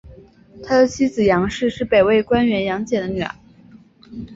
他的妻子杨氏是北魏官员杨俭的女儿。